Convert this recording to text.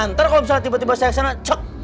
ntar kalau misalnya tiba tiba saya kesana cok